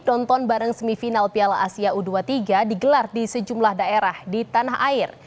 nonton bareng semifinal piala asia u dua puluh tiga digelar di sejumlah daerah di tanah air